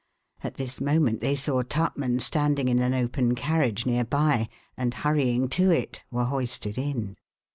At this moment they saw Tupman standing in an open carriage near by and, hurrying to it, were hoisted in.